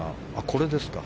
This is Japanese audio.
これですか。